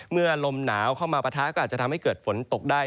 ลมหนาวเข้ามาปะทะก็อาจจะทำให้เกิดฝนตกได้